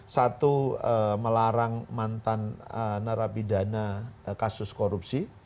satu melarang mantan narapidana kasus korupsi